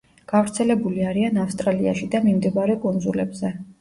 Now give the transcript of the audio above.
გავრცელებული არიან ავსტრალიაში და მიმდებარე კუნძულებზე.